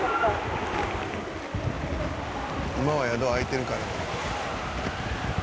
「今は宿開いてるからね」